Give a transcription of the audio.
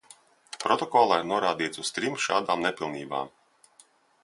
Protokolā ir norādīts uz trim šādām nepilnībām.